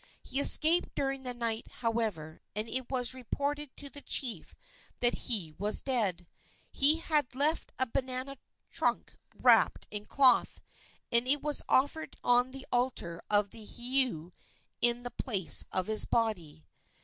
He escaped during the night, however, and it was reported to the chief that he was dead. He had left a banana trunk wrapped in cloth, and it was offered on the altar of the heiau in the place of his body.